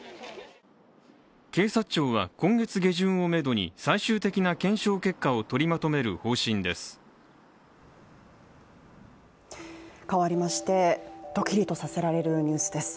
警察庁は今月下旬をめどに最終的な検証結果を取りまとめる方針です。